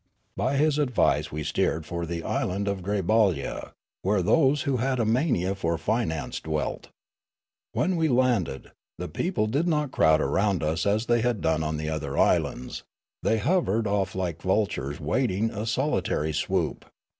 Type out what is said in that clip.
" By his advice we steered for the island of Grabaw lia, where those who had a mania for finance dwelt. When we landed, the people did not crowd around us as they had done in the other islands ; they hovered off like vultures waiting a solitary swoop.